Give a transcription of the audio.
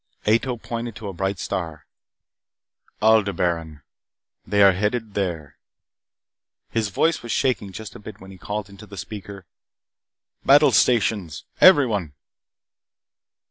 Ato pointed to a bright star. "Aldebaran. They are headed there." His voice was shaking just a bit when he called into the speaker: "Battle stations, everyone!"